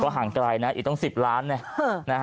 ห่างไกลอีกต้อง๑๐ล้าน